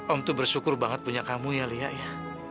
om tuh bersyukur banget punya kamu ya lia ya